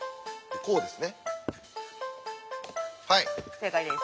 正解です。